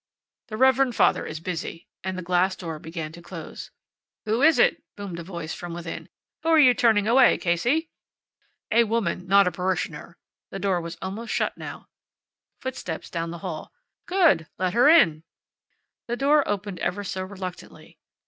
"The reverend father is busy," and the glass door began to close. "Who is it?" boomed a voice from within. "Who're you turning away, Casey?" "A woman, not a parishioner." The door was almost shut now. Footsteps down the hall. "Good! Let her in." The door opened ever so reluctantly.